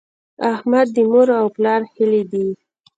احمد د مور او پلار ښهلی دی.